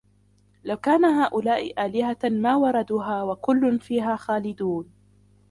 لَوْ كَانَ هَؤُلَاءِ آلِهَةً مَا وَرَدُوهَا وَكُلٌّ فِيهَا خَالِدُونَ